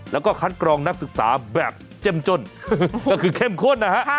แล้วก็คัดกรองนักศึกษาแบบเจ้มจนก็คือเข้มข้นนะฮะ